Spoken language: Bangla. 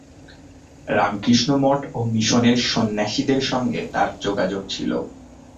রামকৃষ্ণ মঠ ও মিশনের সন্ন্যাসীদের সঙ্গে তার যোগাযোগ ছিল।